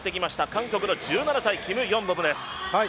韓国の１７歳、キム・ヨンボムです。